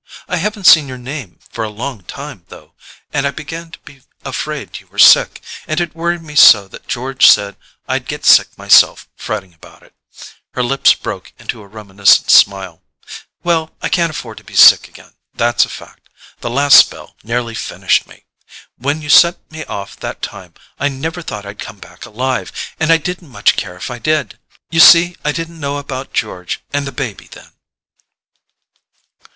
I haven't seen your name for a long time, though, and I began to be afraid you were sick, and it worried me so that George said I'd get sick myself, fretting about it." Her lips broke into a reminiscent smile. "Well, I can't afford to be sick again, that's a fact: the last spell nearly finished me. When you sent me off that time I never thought I'd come back alive, and I didn't much care if I did. You see I didn't know about George and the baby then."